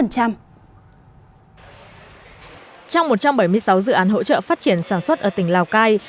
trong một trăm bảy mươi sáu dự án hỗ trợ phát triển sản xuất ở tỉnh lào cai